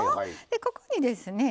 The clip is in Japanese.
ここにですね